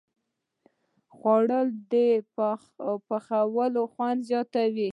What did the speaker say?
خوړل د پخلي خوند زیاتوي